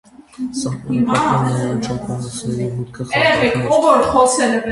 Սահմանափակվում է՝ անչափահասների մուտքը խաղատներ։